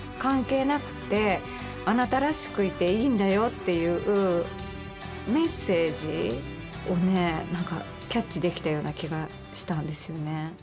っていうメッセージをねなんかキャッチできたような気がしたんですよね。